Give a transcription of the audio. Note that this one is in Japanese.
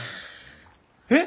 えっ！？